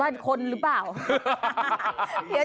คนหรือเปล่า